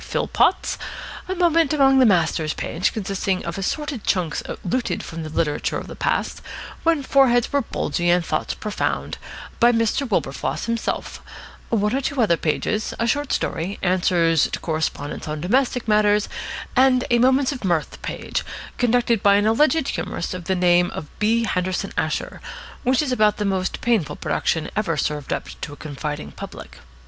Philpotts; a "Moments Among the Masters" page, consisting of assorted chunks looted from the literature of the past, when foreheads were bulgy and thoughts profound, by Mr. Wilberfloss himself; one or two other pages; a short story; answers to correspondents on domestic matters; and a "Moments of Mirth" page, conducted by an alleged humorist of the name of B. Henderson Asher, which is about the most painful production ever served up to a confiding public.